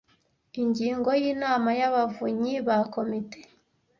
Ingingo y’ Inama y Abavunyi ba komite